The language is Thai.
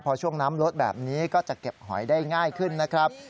พอช่วงน้ำลดแบบนี้ก็จะเก็บหอยได้ง่ายขึ้นนะครับ